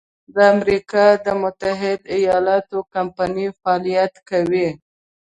د امریکا د متحد ایلااتو کمپنۍ فعالیت کوي.